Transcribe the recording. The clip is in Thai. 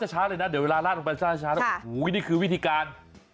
โหวินที่คือวิถีการ